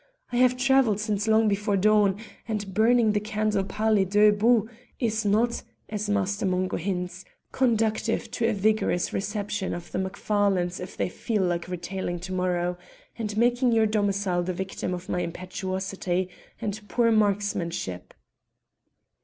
I have travelled since long before dawn, and burning the candle par les deux bouts is not, as Master Mungo hints, conducive to a vigorous reception of the Macfarlanes if they feel like retaliating to morrow, and making your domicile the victim of my impetuosity and poor marksmanship."